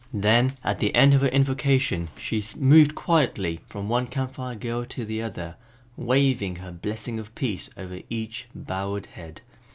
Then at the end of her invocation she moved quietly from one Camp Fire girl to the other, waving her blessing of peace over each bowed head.